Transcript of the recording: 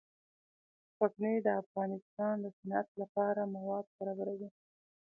غزني د افغانستان د صنعت لپاره مواد برابروي.